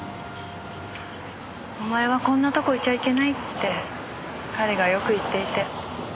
お前はこんなとこいちゃいけないって彼がよく言っていて。